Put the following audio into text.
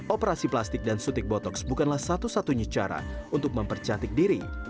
operasi plastik dan suntik botoks bukanlah satu satunya cara untuk mempercantik diri